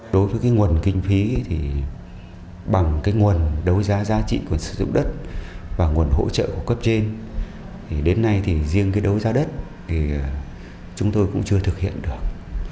đối với nguồn kinh phí bằng nguồn đấu giá giá trị của sử dụng đất và nguồn hỗ trợ của cấp trên đến nay riêng đấu giá đất chúng tôi cũng chưa thực hiện được